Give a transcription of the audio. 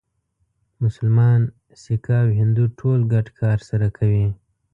مسلمان، سیکه او هندو ټول ګډ کار سره کوي.